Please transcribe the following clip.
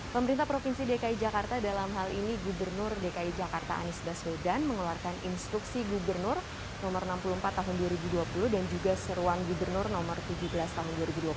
pemerintah provinsi dki jakarta dalam hal ini gubernur dki jakarta anies baswedan mengeluarkan instruksi gubernur no enam puluh empat tahun dua ribu dua puluh dan juga seruan gubernur nomor tujuh belas tahun dua ribu dua puluh